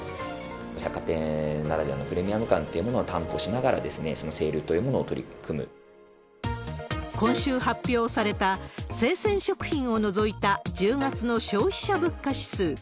百貨店ならではのプレミアム感というものを担保しながら、今週発表された、生鮮食品を除いた１０月の消費者物価指数。